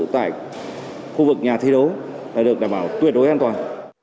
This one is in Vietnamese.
tại khu vực nhà thi đấu được đảm bảo tuyệt đối an toàn